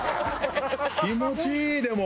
気持ちいいでも。